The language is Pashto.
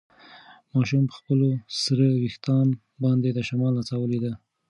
ماشوم په خپلو سره وېښتان باندې د شمال نڅا ولیده.